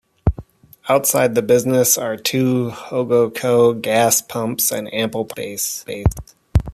Outside the business are two HoggoCo gas pumps and ample parking space.